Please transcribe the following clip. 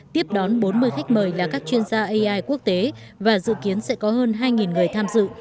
tiếp đón bốn mươi khách mời là các chuyên gia ai quốc tế và dự kiến sẽ có hơn hai người tham dự